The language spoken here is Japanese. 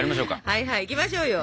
はいはいいきましょうよ。